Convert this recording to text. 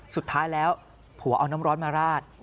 สุดท้ายแล้วผัวเอาน้ำร้อนมาราด